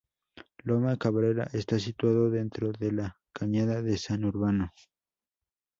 Loma Cabrera está situado dentro de La Cañada de San Urbano.